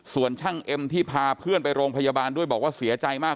ส่วนช่างเอ็มที่พาเพื่อนไปโรงพยาบาลด้วยบอกว่าเสียใจมาก